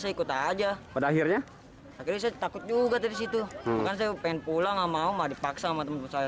saya ikut aja pada akhirnya takut juga dari situ pengen pulang nggak mau dipaksa sama temen saya